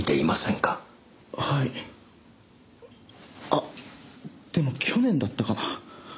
あっでも去年だったかな？